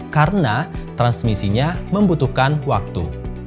karena transmisinya membutuhkan waktu